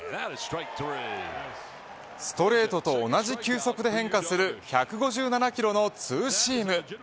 ストレートと同じ急速で変化する１５７キロのツーシーム。